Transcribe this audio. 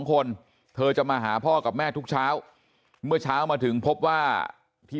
คนเธอจะมาหาพ่อกับแม่ทุกเช้าเมื่อเช้ามาถึงพบว่าที่